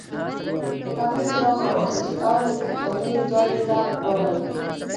هغه څراغ راواخیست او د وتلو ځای ته راغی.